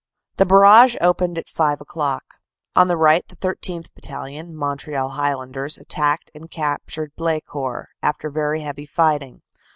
"The barrage opened at 5 o clock. On the right, the 13th. Battalion, Montreal Highlanders, attacked and captured Ble court after very heavy fighting.